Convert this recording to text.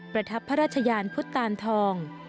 ประทับพระราชยานพุทธตานทอง